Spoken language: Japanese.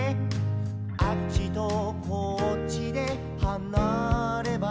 「あっちとこっちではなればなれ」